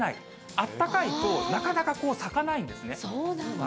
あったかいと、なかなか咲かないんですね。